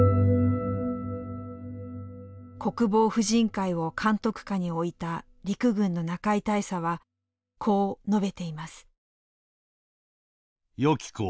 国防婦人会を監督下に置いた陸軍の中井大佐はこう述べています。